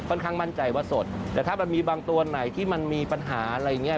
ข้างมั่นใจว่าสดแต่ถ้ามันมีบางตัวไหนที่มันมีปัญหาอะไรอย่างเงี้